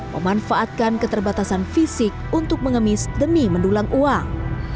memanfaatkan keterbatasan fisik untuk mengemis demi mendulang uang